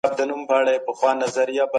شريعت د هر حق ساتونکی دی.